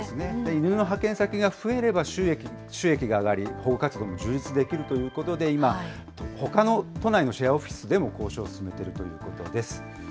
犬の派遣先が増えれば収益が上がり、保護活動も充実できるということで、今、ほかの都内のシェアオフィスとも交渉を進めているということです。